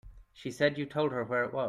She said you told her where it was.